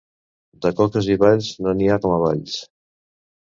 De coques i balls, no n'hi ha com a Valls.